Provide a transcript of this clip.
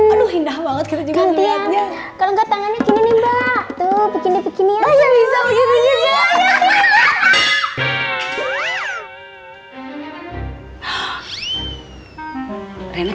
aduh indah banget kita juga lihatnya kalau nggak tangannya gini mbak tuh bikin bikinnya bisa